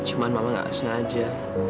cuma mama nggak sengaja